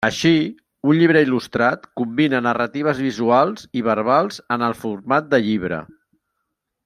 Així, un llibre il·lustrat combina narratives visuals i verbals en el format de llibre.